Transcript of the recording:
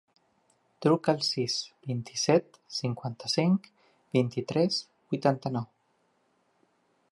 Truca al sis, vint-i-set, cinquanta-cinc, vint-i-tres, vuitanta-nou.